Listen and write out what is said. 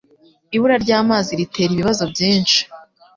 Ibura ryamazi ritera ibibazo byinshi.